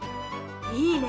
いいね。